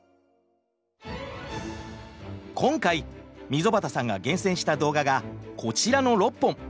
今回溝端さんが厳選した動画がこちらの６本。